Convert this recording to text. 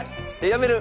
やめる？